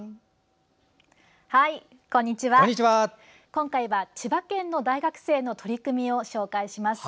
今回は千葉県の大学生の取り組みを紹介します。